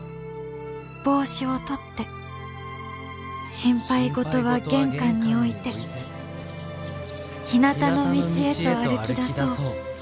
「心配事は玄関に置いてひなたの道へと歩きだそう。